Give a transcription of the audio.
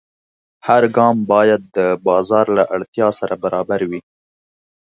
هر ګام باید د بازار له اړتیا سره برابر وي.